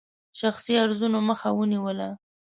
شخصي غرضونو مخه ونیوله.